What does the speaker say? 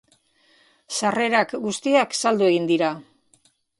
Sarrerak guztiak saldu egin dira.